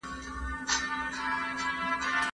ولي ملي سوداګر کیمیاوي سره له هند څخه واردوي؟